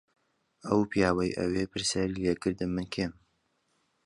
ئەو پیاوەی ئەوێ پرسیاری لێ کردم من کێم.